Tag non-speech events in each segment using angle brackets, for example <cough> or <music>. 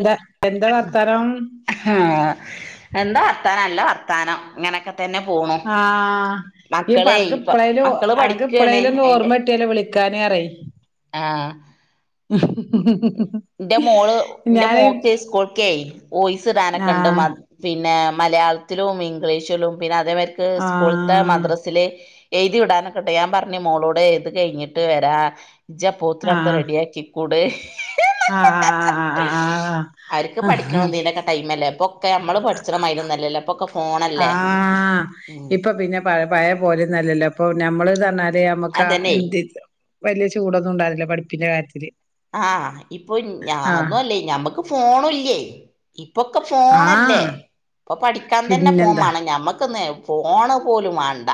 എന്താ എന്താ വർത്താനം ആഹ എന്താ വർത്താനല്ല വർത്താനം ഇങ്ങനെയൊക്കെ ആഹ ഈപ്പ അണക്ക് ഇപ്പ ഇപ്പളേയില് മക്കള് അനക്ക് പഠിക്കാണ് ഇപ്പളേയില ഒന്ന അയിന്റെ ഓർമ്മ കട്ടിയല്ലോ വിളിക്കാനേ അറി ആ എന്റെ മോള് എന്റെ ഞാന് മോക്ക് സ്കൂൾക്ക ഓയിസ് ഇടാനൊക്കെ ഉണ്ട് ആഹ് പിന്നെ മലയാളത്തിലും ഇംഗ്ലീഷിലും പിന്നെ അതേമാർക്ക് സ്കൂളത്തെ ആഹ് മദ്രാസിലെ എഴുതി വിടാനൊക്കെട്ടെ ഞാൻ പറഞ്ഞഞ് മോളോടെ എഴുത് കഴിഞ്ഞിട്ട് വരാ ജാ പോത്രരാാക്കക്ക റെഡിയ കൂടെ ആഹ് ആഹ് അവർക്ക് ആഹ് പഠിക്കണംന്റെൊക്കെ ടൈമല്ലേ അപ്പൊ ഒക്കെ നമ്മള് പഠിച്ച മൈൊന്നല്ല അല്ലക്കം ആഹ് ഇപ്പൊ പിന്നെ പ പയെ പോലെന്നു അല്ലല്ലോ ഇപ്പൊ ഞമ്മള് ന്നർഞ്ഞാല് അതെ അമ്മക്കാ അതന്നെ ഇന്തെ വെല്ല്യെ ചൂടൊന്നുണ്ടാവൂല്ല പഠിപ്പിന്റെ കാര്യത്തില് ആഹ് ഇപ്പൊ ഞാ ആഹ് അന്നുംല്ലേ ഞമ്മക്ക് ഫോണുല്ലേ ഇപ്പൊക്കെ ഫോണല്ലേ ആഹ് ഇപ്പൊ പഠിക്കാൻ തന്നെ ഫോൻ പിന്നെന്താ വാണം ഞമ്മുക്ക് ഫോണ് പോലും വാണ്ട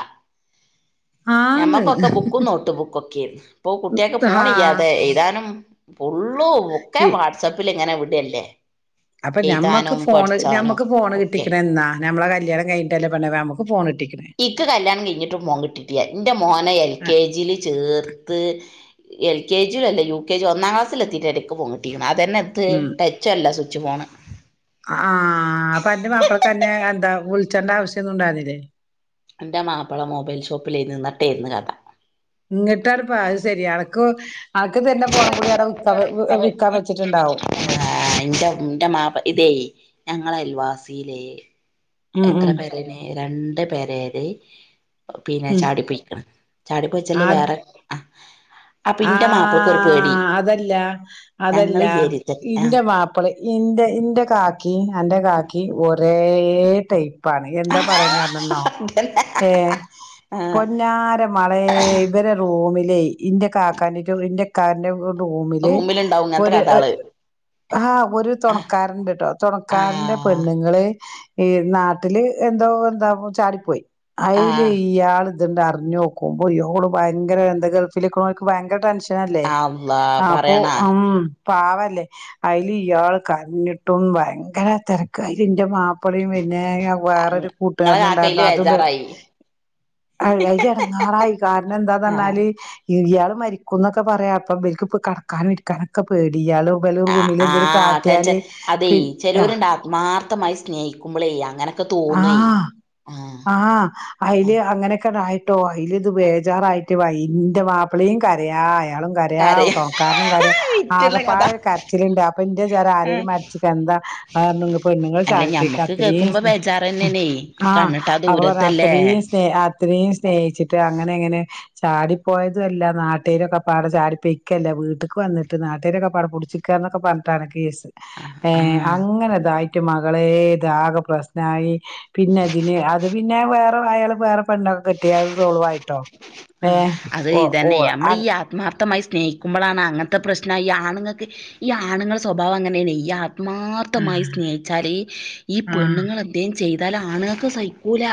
ആന്ന് ഞമ്മക്കൊക്കെ ബുക്കും നോട്ട് ബുക്കൊക്കെ ഇപ്പൊ കുട്ട്യാക്ക് ഫോൺ ഇല്ലാതെ ആഹ് എയ്താനും പൊള്ളൂ ഒക്കെ വാട്സേപ്പിൽ ഇങ്ങനെ വി ടല്ലേ അപ്പൊ ഞമ്മക്ക് ഫോണ് ഞമ്മക്ക് ഫോണ് ഒക്കെ കിട്ടിക്ക്ണെന്നാ നമ്മളെ ക ല്ല്യാണം കൈഞ്ഞിട്ടല്ലെ പെണ്ണേ അമ്മക് ഫോണി ഇക്ക് കല്യാണം കീഞ്ഞിട്ടും ഫോ കിട്ടീട്ടിയ എന്റെ മോനെ എൽ ആ കെ ജീല് ചേർത്ത് എൽ കെ ജിയ അല്ല യു കെ ജി ഒന്നാം ക്ലാസൽ എത്തിയി ഇടക്ക് പോങ്ങട്ടിയോ അതന്നെ ഇത് ഉം ടച്ചല്ല ച്ച് ഫോണ് ആഹ് അപ്പൊ എന്റെ മാപ്പളക്കന്നെ എന്താ വിൾച്ചണ്ട ആവശ്യൊന്നുണ്ടാവ്ലില്ലേ അന്റെ മാപ്പള മൊബൈൽ ഷോപ്പിലേ നിന്നട്ടേരുന്നു കഥ ഇങ്ങിട്ടാണ്പ്പ ആ ശെരി അനക്ക് അനക്ക് തരുന്ന ഫോണും കൂടി അവിടെ വിക്കാൻ ഏ വിക്കാൻ വെച്ചിട്ടുണ്ടാവും ഇൻ്റെ ഇൻ്റെ മാപ് ഇതേ ഞങ്ങള അൽവാസീലേ ഉം എത്ര ഉം പേരേനി രണ്ട് പേരേല് പിന്നെ ഉം ചാടി പൊയ്ക്ക്ണ് ചാടി പൊയച്ചാല് അത് വേറെ ആ ആഹ് അതല്ല അതല്ല ഞങ്ങള് വിചാരിച്ച് ആഹ് ഇൻ്റെ മാപ്പ്ളെ ഇൻ്റെ ഇന്റെ കാക്കി അന്റെ കാക്കി ഒ രേ ട്ടൈ പാണ് എന്താ പറയാൻ കാരണം ന്നോ അതന്നെ ഏ ആഹ് പൊന്നാര മളേ ഇവരെ റൂമി ലെയ് ഇൻ്റെ കാക്കാനെയ്റ്റൊ ഇൻ്റെക്കാൻ്റെ റൂമില് റൂമിലുണ്ടാവും ഇങ്ങനത്തെ ഒരു ഒ കഥാള് ആ ഒരു ആഹ് തൊണൾൺക്കാരണ്ട്ട്ടോ തുണക്കാരന്റെ ആഹ് പെണ്ണിങ്ങള് ഈ നാട്ടില് എന്തോ എന്താ ചാടിപ്പോയി അയില് ആഹ് ഇയാള് ഇതിണ്ടർഞ്ഞോക്കുമ്പോ ഇയോള് ഭയ്ങ്കര എന്ത് ഗൾഫിലിക്ക്ണോൽക്ക് ഭയ്ങ്ക്ര ടെൻഷ് ല്ലേ അള്ളാ അപ്പൊ പറയണ ഉം പാവല്ലേ അതിൽ ഇയാൾ കഞ്ഞിട്ടും ഭയങ്കര തിരക്ക അൽ എന്റെ മാപ്പ അപ്പഴും പിന്നെ വേറരു ഇങ്ങളെ കൂട്ടുകാരന ഉണ്ടായിുന്ന കാക്കയില് അതുകണ്ട് ബേജാറായി അതി ഇടങ്ങാറായി കാരണം ആഹ് എന്താന്ന്ഞ്ഞാല് ഇയാൾ മരിക്കും എന്നൊക്കെ പറയാ അപ്പ കടക്കാനും ഇരിക്കാനൊക്കെ പേടി അടിയാല ആ റൂമിൽ ആ എന്തേലും ടെൻഷൻ കാട്ടിയല് പിന്നെ ആ ശമായി സ്നേഹിക്കുമ്പോളേ അങ്ങനെ ആഹ ആഹ് ആ അതില് അങ്ങനെയൊക്കെ തോൽ ഇതു ബേജാറായിട്ട് വൈന്റെ മാപ്പിളയും കരയായ അയാളും കരയാ തോരകാരനും കര വിറ്റുള്ള കഥ ആകപ്പാട് കരച്ചിലിണ്ട് അപ്പൊ ഇന്റെ ചറ ആ ആരും മരച്ച എന്താ പെണ്ണുങ്ങൾ അല്ല ചാളിപ്പിക്ക ഞമ്മക്ക് അത്രയും കേക്കുമ്പോ ബേജാറന്നെയാണേ ഈ ആഹ കണ്ണിട്ടാ അപ്പ പറ ദൂരത്തല്ലേ അത്രയും സ്നേ അത്രയും സ്നേഹിച്ചിട്ട് അങ്ങനെ എങ്ങനെ ചാടിപ്പോയതുംല്ല നാട്ടേരൊക്കെ പാട ചാടി പെയക്കല്ല വീട്ടേക്ക് വന്നിട്ട് നാട്ടേരൊക്കെ പാട പടിച്ചിക്കുകന്നക്കെ പറിട്ടാണ് ആ ഏ ആ അങ്ങനെതായിട്ടും അളെ ഇതാക പ്രശന നായി പിന്നെ അതിന് അത് പിന്നെ ആയാല വേറെ പെണ്ണൊക്കെ കട്ടിയത് സായിട്ട് ആ അത് ഇതന്നെ നമ്മൾ ആ ഈ ആത്മാർത്ഥമായി സ്നേഹിക്കുമ്പോളാണ് അങ്ങനത്തെ ഇത്ര പ്രശ്നമാണ് ഈ ആണുങ്ങൾക്ക് ഈണുങ്ങളുടെ സ്ഭാവം അങ്ങനെയാണ് ആത്മാർത്ഥമായി സ്നേഹിച്ചാൽ ഈ ആ പെണ്ണുങ്ങൾ അദ്ദേഹം ചെയ്താൽ ആണുകൾക്ക് സൈക്കൂല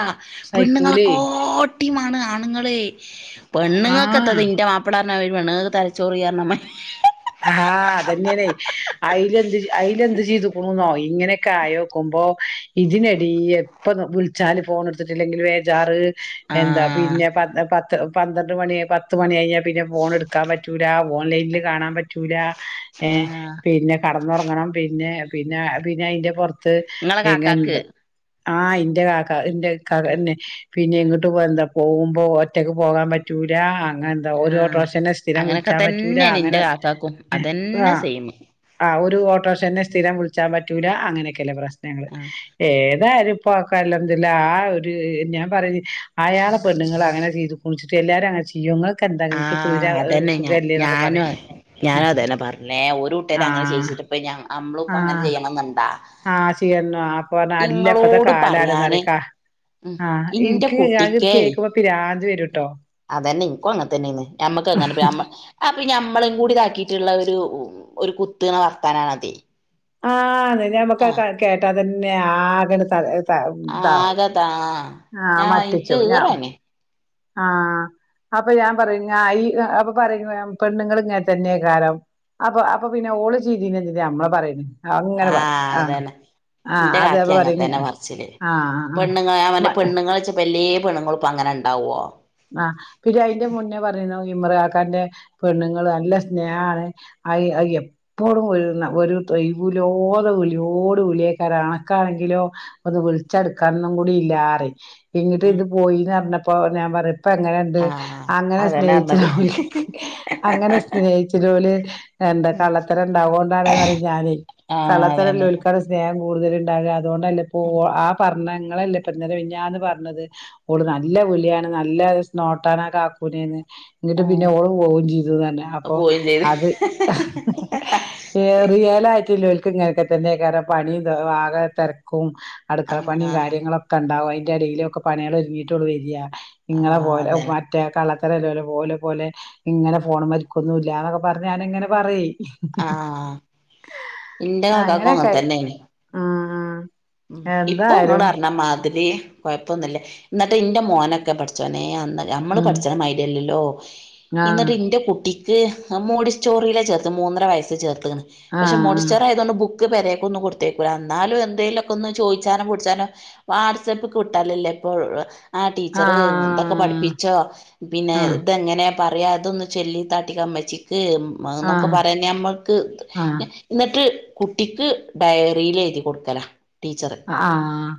പെണ്ണുങ്ങളെ സൈക്കൂലേ കോട്ട ടീമാണ് ആണ് ങ്ങളെ ആ പെണ്ണങ്ങൾക്കത്തത്തിന്റെ മാപ്പ പിന്നെ അവർ വെണ്ണക്ക് തലച്ചോറി കാരണംമ്മ ആ അയിൽ എന്ത് ചെയ്തുക്കണ നോയി ഇങ്ങനെയൊക്കെ ആയോക്കുമ്പോ ഇതിനടി എപ്പൊ വിളിച്ചാല് ഫോൺ എടുത്തിട്ടില്ലെങ്കിൽ വേജാറ് എന്താ ആഹ് പിന്നെ പ പന്ത്രണ്ട് മണി പത്ത് മണി പിന്നെ ഫോൺ എടുക്കാൻ പറ്റൂല ഓൺലൈനിൽ കാണാൻ പറ്റും പറ്റൂല്ല ഏ ആഹ് പിന്നെ കടന്നുറങ്ങണം പിന്നെ പിന്നെ പിന്നെ അതിന്റെ പുറത്ത് ഇങ്ങളെ കാക്കാക്ക് <unintelligible> ആഹ് ഇന്റെ കാക്ക ഇന്റെ ആഹ് ക്കന്നെ പിന്നെ എങ്ങോട്ട് പോ <unintelligible> പോകുമ്പോ ഒറ്റക്ക് പോകാൻ പറ്റൂല എന്താ ആഹ് ആഹ് ഓരോടോഷെന്നെ സ്ഥിരം അങ്ങനൊക്കെ വിൾച്ചാൻ പറ്റൂല തന്നെയാണ് ഇന്റെ അങ്ങനെ കാക്കാക്കും ആ അതന്നെ സെയിമ് ആ ഒരു ഓട്ട്റോഷന്റെ സ്റ്റി രം വിൾച്ചാൻ പറ്റൂല അങ്ങനൊക്കെല്ലെ പ്രഷ് ങ്ങള് ആഹ് ഏതായാലും ഇപ്പ ആക്കല്ലംദില്ല ആ ഒരു ഞാൻ പറയ അയാളെ പെണ്ണുങ്ങള് അങ്ങനെ ചെയ്ത്കുണിച്ചിട്ട് എല്ലാരും അങ്ങനെ ചെയ്യൊ ങ്ങൾ ക്കന്താ ങ്ങക്ക് തൂര ആഹ് സുഖല്ലേ ന്നൊക്കെ പറയും ഞാന അതന്നെഞ്ഞേ ഒരുരൂട്ടുകാര ആഹ് അങ്ങനെ്യിച്ചിട്ടിപ്പ ഞ നമ്മള ഇപ്പൊ അങ്ങനെ ചെയ്യണം എന്നുണ്ടാ ആ ചെയ്യോ ആ പറ പറഞ്ഞു അല്ല അപ്പത്തെ ഇങ്ങളോട് കാലണന്ന് പറയാന് അറക്കാ ഉം ആഹ് ഇന്റെ എനിക്ക് കുട്ടിക്കേ കേക്കുമ്പോ പിരാന്തി വ അതന്നെ ഇനക്കോ അങ്ങനത്ത തന്നെയന്ന് ഞമ്മക്ക് അങ്ങനെ ഞമ്മളും കൂടിതാക്കിട്ട്ള്ള ഒരു ഒരു കുത്ത്ണ വർത്താനാണതെ ആ നമക്ക ക കേട്ടാ തന്നെ ആകനെ തള ആഗതാ ഞാൻ എക്ക് ഈറന് ആ അപ്പൊ ഞാൻ പറയും ഞാ ഈ അപ്പൊ പറയും പെണ്ണുള്ങ്ങൻ തന്നെകാരം അപ്പൊ അപ്പൊ പിന്നെ ഓള് ചേതീനെന്തിനമ്മളെ പറയ്ണ് ആ അതന്നെ ആഹ് ന്റെ അത് കാക്കി അപ്പൊ പറയും അങ്ങത്തന്നെ മറച്ചില് ആഹ് പെണ്ണുങ്ങള് ഞാൻ ആഹ് പറ്ഞ്ഞ് പെണ്ണുങ്ങള്ച്ച വെല്ല്യേ പെണ്ണുങ്ങളുപ്പങ്ങനെണ്ടാവോ ആ പിന്നെ അയിന്റെ മുന്നേ പറയുന്ന ഇമ്രഖാൻന്റെ പെണ്ണുങ്ങൾ നല്ല സ്നേഹമാണ് അ എപ്പോഴും ഒരു ഒരൊയിവ്ലോത വിളിയോട് വിളിയക്കാര കണക്കാണെങ്കിലോ അത് വിളിച്ചെടുക്കാനൊന്നും കൂടി ഇല്ലാറി ഇങ്ങിട്ട് ആഹ് ഇത് പോയിന്ന് പറഞ്ഞപ്പ പ്പൊ ഞാ പറിം പ്പ എങ്ങനെയുണ്ട് ആഹ് അങ്ങനെ അതന്നെ സ്നേഹിച്ചല പർഞ്ഞത് അങ്ങനെ സ്നേഹിച്ചോല് എ കള്ളത്തര ഉണ്ടാവുകൊണ്ടാണ് ഞാന് ആഹ് അതന്നെ കള്ളത്തരല്ലലിക്കാണ് സ്നേഹം കൂട്തല്ണ്ടാകാന്ന് അതുകൊണ്ടല്ലപ്പോ ആ പർ- ങ്ങളല്ലപ്പന്നലെ മ്ഞ്ഞാന്ന് പറ്ഞ്ഞത് ഓള് നല്ല വ്ളിയാണ് ന ല്ല നോട്ടാണാ കാക്കൂനേന്ന് ന്നിട്ട് പിന്നെ ആഹ് ഓള് പോവും ചെയ്തുന്നർഞ്ഞ് അപ്പൊ പോയിം ചെയ്ത് അത് ഏറിയലായിട്ട്ല്ലോൽ ഇങ്ങനെയൊക്കെ തന്നെ കറ പണിയ ആകെ തിരക്കും അടുക്കള പണിം ആഹ് കാര്യങ്ങളൊക്കെണ്ടാവും അയി ഇടയിലൊക്കെ പണികൾ ഒര്ങ്ങിട്ടൊള്ളു വരിഅ നിങ്ങളെ ആഹ് പോലെ അതന്നെ മറ്റേ കള ഇത്രല്ലോല്ലേ പോലെ പോലെ ഇങ്ങനെ ഫോൺ മരിക്കൊന്നുംല്ലന്നൊക്കെ പറഞ്ഞ് ഞാാനിങ്ങനെ പറയി ആഹ് ഇന്റെ കാക്കക്കോ അങ്ങത്തന്നെണ് ആഹ് ഉം ഇപ്പോ ഇങ്ങള് അറിഞ്ഞ മാതിരി കൊഴപ്പൊന്നില്ല ന്നിട്ട് ഇന്റെ മോനൊക്കെ പടച്ചോനെ അ ഞമ്മള് ഉം പഠിച്ചത് മായിരി അല്ലല്ലോ ആഹ് ഇന്നതൂ ഇന്റെ കുട്ടി <unintelligible> സ്റ്റോറിയിലെ ചേർത്ത് മൂന്നര വയസ്സ് ചേർ <unintelligible> പക്ഷെ ആഹ് മോടിച്ചറയതൊ ബുക് പരേക്ക് ഒന്ന് കൊടുത്തേക്കൂല എന്നാലും എന്തേലും ഒന്ന് ചോദിച്ചാനോ കുടിച്ചാനോ വാട്സആപ്പ് കിട്ടലല്ലേ ഇപ്പോ ആ ടീച്ചറ് എന്തൊക്കെ ആഹ് പഠിപ്പിച്ചോ പിന്നെ ആഹ് ഇതെങ്ങനെ പറയാം അതൊന്ന് ചെല്ലി താട്ടിക്ക <unintelligible> <unintelligible> എന്നൊക്കെ ആഹ് പറ ഞമ്മക്ക് ആഹ് എന്നിട്ട് കുട്ടിക്ക് ഡയറിയിൽ എഴുതി കൊടുക്കല ടീച്ചറ് ആഹ്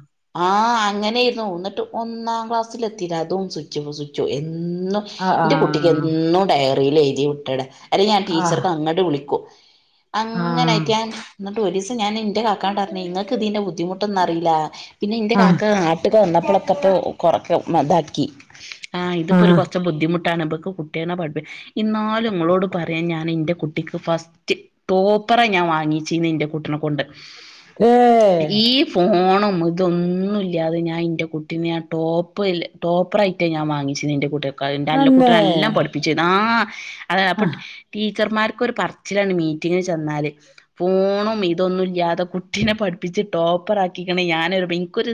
ആഹ് അങ്ങനെ ഇന്ന് തോന്നിട്ട് ഒന്നാം ക്ലാസ്സൽ എത്തില്ല അതും സ്ച്ചോ <unintelligible> എന്നും ആഹ് എന്റെ കുട്ടിക്ക് എന്നും ഡയ <unintelligible> എഴുതി മുട്ടട അല്ലേ ഞാൻ ആഹ് ആഹ് ടീച്ചർക്ക് അങ്ങട്ട വിളിക്കും അങ്ങനൊയിട്ട ഞാൻ എന്നിട്ട് ഒരു സം ഞാൻന്റെ കാക്കാണ്ട പറഞ്ഞേ നിങ്ങക്ക് ഇതിന്റെ ബുദ്ധ ബുദ്ധിമുട്ടന്ന അറിയില്ല പിന്നെ ഇന്റെ ആഹ് കാക്ക ആട്ടക്ക് വന്നപ്പോൾക്കെപ്പൊ കൊറ മതാക്കി <unintelligible> ആ ഇത് ഇപ്പൊ ഒരു ആഹ് കൊറച്ച് ബുദ്ധിമുട്ടാ ട്ടാണ് ഇവക്ക് കുട്ടിയ പഠിപ്പിക്കാൻ എന്നാലും ഇങ്ങളോട് പറയാൻ ഞാൻ എന്റെ കുട്ടിക്ക് ഫസ്റ്റ് ടോപ്പറ ഞാൻ വാങ്ങിച്ചന്ന് എന്റെ കുട്ടിനെ കൊണ്ട് <unintelligible> ഈ ഫോണും ഇതൊന്നും ഇല്ലിയാതെ ഞാൻ എന്റെ കുട്ടീനെ ആ ടോപ്പ് ടോപ്പർയിട്ട് ഞാൻ വാങ്ങിചെന്നേ ന് എന്റെ കുട്ടിക- അതിന്റെ അല്ല തന്നെ കൂട്ടിനെ എല്ലാം പഠിപ്പിച്ച ആ <inaudible> അത് അപ്പ ടീ ടീച്ചർമാർക്കൊ ഒരു പറച്ചിലാണ് മീറ്റിങ്ങന് ചെന്നാല് ഫോണും ഇതൊന്നുംല്ലാതെ കുട്ടിനെ പ്പിച്ച് ടോപ്പർ ആക്കിക്കണ ഞാനൊരു എനിക്കൊരു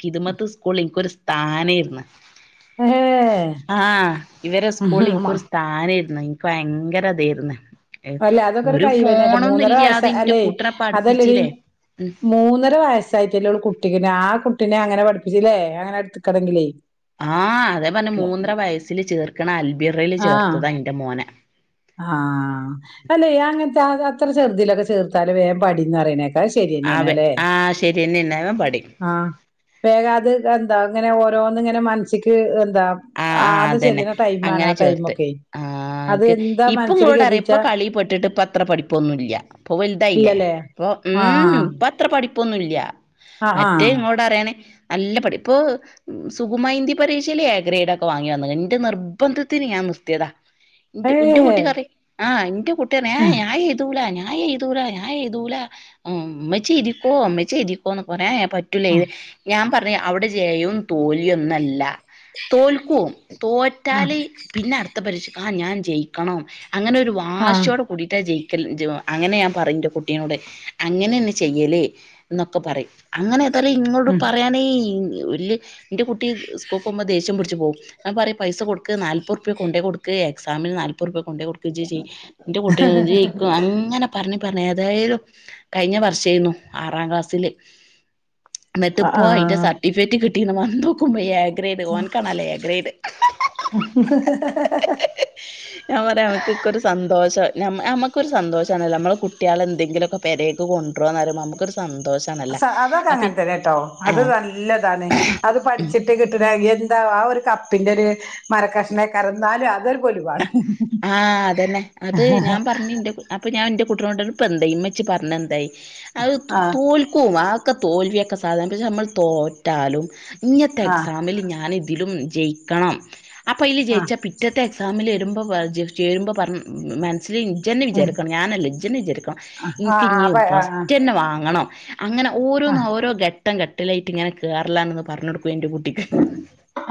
കിത് മറ്റ സ്കൂള ഇനിക്കൊരു താനെ ഇന്ന് ഏഹ് ആ ഇവരെ സ്കൂള ഇനിക്കൊരു സ്ഥാന ഇല്ല ഇനിക്ക് ഭയങ്കര അതായിരുന്ന അല്ലെ അതൊക്കെ ഒരു കഴിവ് തന്നെയാട്ടോ മൂന്നര വയസ ഇന്റെ അല്ലെ കൂട്ടനെ അതല്ലടി പഠിപ്പിച്ചില്ലേ മൂന്നര വയസ്സായിട്ടല്ലേ കുട്ടികെ ആ കുട്ടി കുട്ടിനെ അങ്ങനെ പഠപ്പിച്ചില്ലേ അങ്ങന എടുക്കണെങ്കിലേ ആഹ അതേ പറഞ്ഞ മൂന്നര വയസ്സില് ചേർക്കണ അൽഭി ചറൽ ആഹ് ചേർത്തത് അന്റെ മോനെ ആഹ് അല്ലെ അങ്ങനത്തെ അത്ര ചെറുതിലൊക്കെ ചെർത്താല വേഗം പടീന്ന് അവ ശരിന്നെയണല്ലേ ആഹ് ശരിയെന്നെണ് അവൻ പടിം ആഹ വേഗ അത് എന്താ അങ്ങനെ ഓരോന്ന് ഇങ്ങനെ മനസ്സിലേക്ക് എന്താ ആഹ് ആഹ് ആത് അതന്നെ ചെല്ലുന്ന ടൈം ആണ് ആ അങ്ങനെ ചേർത്ത് ടൈമൊക്കെ ആഹ് അത് ഇൻക്ക് ഇപ്പൊ മനസ്സില് ഇങ്ങളോട് അറിയപ്പ കരുതിച്ചാ കളിപ്പെട്ടിട്ട് പത്ര പഠിപ്പൊന്നും ഇല്ല ഇ വലുതായില്ലേ ഇല്ലല്ലേ ഇ ഉ ആഹ് പ പഠിപ്പൊന്നുമില്ല ആഹ് മറ്റേ ആഹ് ഇങ്ങോട്ട അറിയണേ നല്ല പഠിപ്പ് ഇപ്പൊ സുകുമാ ഹിന്ദി പരീക്ഷയില എ ഗ്രേഡ ആ ഓ വാങ്ങി വന്നതാ എന്റെ നിർബന്ധത്തിന് ഞാൻ നിർത്തിയത് എ് എന്റെ ഏഹ് കൂട്ടുകാരി ആഹ് എന്റെ കുട്ടനേ ഞാൻ ഇതുപോലെ തന്നെയാ ഞായ എതൂല ഞാൻ എതൂല ഉമച്ചി എതിക്കോ ഉമെച്ചി എതിക്കോന്ന് പോറ പറ്റൂല ഇത് ഞാൻ പറ അവിടെ ജയവും തോൽവിയും ഒന്നുമല്ല തോ ക്കും ആഹ് തോറ്റാല് പിന്നെ അടുത്തത് പരീക്ഷയ്ക്ക് ഞാൻ ജയിക്കണം അങ്ങനെ ഒരു ആഹ് വാശിയോടെ കൂടിട്ടാ ജയിക്കും. അങ്ങനെ ഞാൻ പറയുംൻ്റെ കുട്ടീനോട് അങ്ങനെന്നെ ചെയ്യലേ എന്നൊക്കെ പറയും അങ്ങനെ ഇാല ഇങ്ങോട് ഉം പറയാനേ വല് എന്റെ കുട്ടി സ്കൂൾ പോകുമ്പോ ദേഷ്യം പിടിച്ച് പോകും ഞാ പറയും പൈസ കൊടുക്ക് നാൽപത് റുപിയ കൊണ്ടേ കൊടുക്ക് എക്സാമന് നാൽപത്- നാല്പത് റുപിയ കൊണ്ടോയി കൊടുക്ക ചേച്ചി എന്റെ കുട്ടികയിക്കും ജയിക്കും അങ്ങനെ പറഞ്ഞപ്പോഴാണ് ഏതായാലും- കഴിഞ്ഞ വർഷയിരന്നു ആറാം ക്ലാസ്സില് എന്നിട്ട് ഇപ്പോൾ അതിന്റ ആഹ് സർട്ടിഫിക്കറ്റ് കിട്ട- ഇന്ന് വന്നോക്കും <unintelligible> ഗ്രേഡ്വാൻ കാണാലേ <unintelligible> ഗ്രേഡ് ഞാൻ പറയും അവർക്ക് ഒക്കെ ഒരു സന്തോഷം നമ്മക്കൊരു സന്തോഷം ഇതാണല്ലോ നമ്മളെ കുട്ടികള് എന്തെങ്കിലൊക്കെ പെരേക്ക് കൊണ്ടോരോ ന്നറിയുമ്പോ നമുക്ക് ഒരു - അതൊക്കെ അങ്ങനെ തന്നെട്ടോ അത് ആഹ് നല്ലതാണ് അത് ഉം പഠിച്ചിട്ട് കിട്ടണ എ ആഹ് ഒരു കപ്പിന്റൊരു മരകഷ്ണം കറുന്നാലും അത് ആഹ് അതന്നെ അത് ഞാൻ പറഞ്ഞിണ്ട് അപ്പ ഞാൻ ൻ്റ കുട്ടീനോട്ട് ഇപ്പെന്തായി ഇമ്മിച്ചി പറഞ്ഞെന്തായി ആത് ആഹ് തോൽക്കും ആ ക്ക തോൽവിയൊക്കെ സാധാര പക്ഷെ നമ്മൾ തോറ്റാലും ഇനിയത്തെ ആഹ് എക്സാമിൽ ഞാനിതിലും ജയിക്കണം ആഹ് പയില് ആഹ് ജയിച്ച പിറ്റത്തെ രുമ്പോ ചേരുമ്പോ പറ മ് സ്സില് ഇഞ്ജെന്നെ ഉം വിചാരിക്കണം ഞാനല്ല ഇജെന്നെ വിചാരിക്കണം എനക്ക് ഇനി ആഹ് ആഹ് ഫസ്റ്റന്നെ വാങ്ങണം അങ്ങനെ ഓരോന്ന് ഓരോ ഘട്ട ഘട്ടം ഘട്ടിലായിട്ട് ഇങ്ങനെ കേറലാന്ന് പറഞ്ഞൊടുക്കും എന്റെ കുട്ടിക്ക്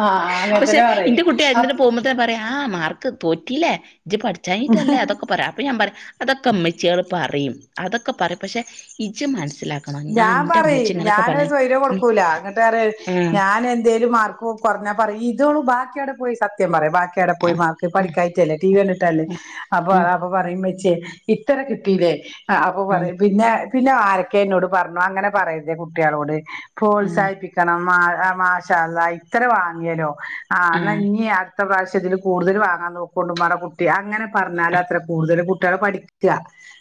ആഹ് പക്ഷെ അങ്ങനത്തന്നെ പറയ് എന്റെ അപ് കുട്ടിയാന്നിട്ട് പോമ്പോത്തെ പറയാ ആഹ് മാർക്ക് തോറ്റീല്ലേ ജ് പഠിച്ചാഞ്ഞട്ടല്ലേ അതൊക്കെ പറയാ അപ്പം ഞാൻ പറയാം അതൊക്ക ഇമ്മച്ചികള് പറയും അതൊക്കെ പർയും പക്ഷെ ഇജ് മൻസ് ഞാൻ പറീ ഞാനോര് സ്വൈര്യം ഉം കൊടുക്കൂല. ങ്ങട്ടറീ ആഹ് ഞാൻ എന്തേലും മാർക്കു കൊർഞ്ഞാ പറിം ഇതോ ബാ ക്ക്യാട പോയി സത്യം പറ ബാ കേടെ പോയി ആഹ് മാർക്ക് പഠിക്കാഞ്ഞില്ലേ ടി വ്യണ്ട്ട്ടല്ലേ അപ്പൊ ആഹ് ആ ആഹ് അപ്പൊ പറയിമ്പ ചെ ഇത്ര കിട്ടീലേ ആഹ് അപ്പൊ പറിം പിന്നെ പിന്നെ ആരൊക്കേന്നോടും പർഞാങ്ങനെ പറയര്തേ കുട്ട്യേളോട് ആഹ് പ്രോത്സാഹിപ്പിക്കണം മാഹ് ആ മാശാഅള്ളാ ഇത്ര വാങ്ങിയല്ലോ ആ എന്നാ ആഹ് ഇനിയാ അടുത്ത പ്രാവശ്യംഇതിൽ കൂടുതൽ വാങ്ങാൻ നോക്കോണ്ട് ഉമ്മാന്റ കുട്ടിയെ അങ്ങനെ ആഹ് പറഞ്ഞാലാത്രേ കൂടുതൽ കുട്ടികളെ പഠിക്ക ക്ക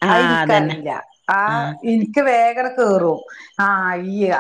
ആഹ് അതന്നെ അയ്നിക്കറിയില്ല ആ ആഹ് എനിക്ക് വേ കേറും ആ ഇയ്യ്